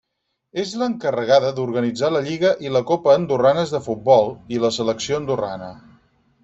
És l'encarregada d'organitzar la lliga i la copa andorranes de futbol, i la selecció andorrana.